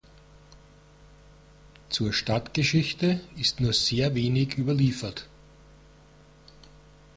Zur Stadtgeschichte ist nur sehr wenig überliefert.